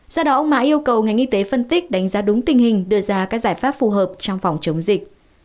do đó ông mã yêu cầu ngành y tế phân tích đánh giá đúng tình hình đưa ra các giải pháp phù hợp trong phòng chống dịch